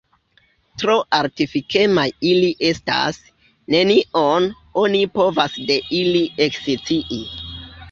Tro artifikemaj ili estas, nenion oni povas de ili ekscii.